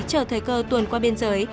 chờ thời cơ tuần qua biên giới